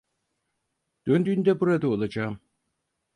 Döndüğünde burada olacağım.